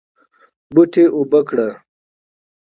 بوټي اوبه کړه